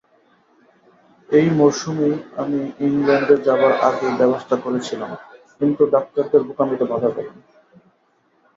এই মরসুমেই আমি ইংলণ্ডে যাবার আগেই ব্যবস্থা করেছিলাম, কিন্তু ডাক্তারদের বোকামিতে বাধা পেলাম।